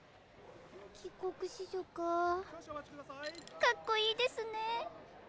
帰国子女かあかっこいいですねえ。